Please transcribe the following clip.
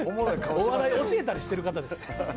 お笑い教えたりしてる方ですよ。